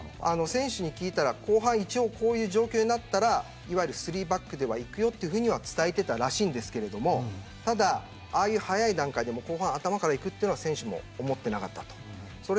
選手に聞いたら後半でこういう状況になったら３バックでいくよと伝えてたらしいんですけどああいう早い段階で後半の頭からいくとは選手も思っていなかったと。